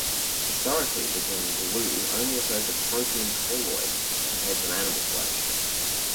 Historically, the term "glue" only referred to protein colloids prepared from animal flesh.